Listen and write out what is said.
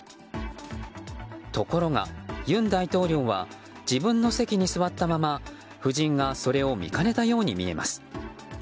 ところが尹大統領は自分の席に座ったまま夫人がそれを見かねたように見えます。